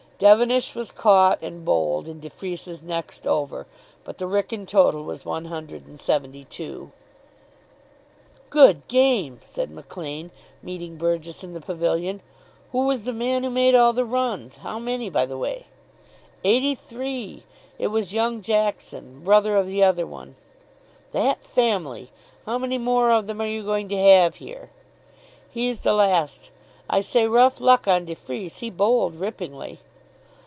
Devenish was caught and bowled in de Freece's next over; but the Wrykyn total was one hundred and seventy two. "Good game," said Maclaine, meeting Burgess in the pavilion. "Who was the man who made all the runs? How many, by the way?" "Eighty three. It was young Jackson. Brother of the other one." "That family! How many more of them are you going to have here?" "He's the last. I say, rough luck on de Freece. He bowled rippingly."